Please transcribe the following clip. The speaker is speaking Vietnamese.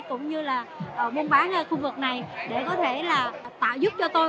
cũng như là buôn bán khu vực này để có thể là tạo giúp cho tôi